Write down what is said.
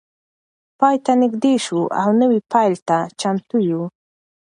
پای ته نږدې شو او نوی پیل ته چمتو یو.